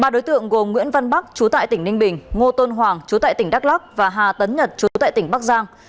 ba đối tượng gồm nguyễn văn bắc chú tại tỉnh ninh bình ngô tôn hoàng chú tại tỉnh đắk lắc và hà tấn nhật trú tại tỉnh bắc giang